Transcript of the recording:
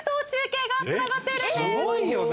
すごいよね！